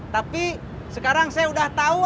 kalau neng aninya udah pindah